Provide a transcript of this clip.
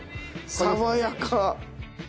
爽やか。